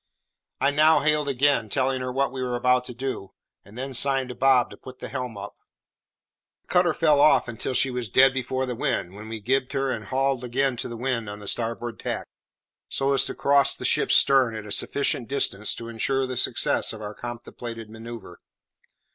I now hailed again, telling her what we were about to do, and then signed to Bob to put the helm up. The cutter fell off until she was dead before the wind, when we gibed her and hauled again to the wind on the starboard tack, so as to cross the ship's stern at a sufficient distance to insure the success of our contemplated manoeuvre.